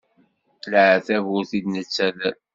Leɛtab ur t-id-nettader.